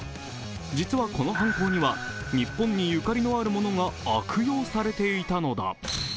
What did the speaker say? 実はこの犯行には、日本にゆかりのあるものが悪用されていたのだ。